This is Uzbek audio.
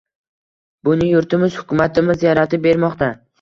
Buni yurtimiz, hukumatimiz yaratib bermoqda.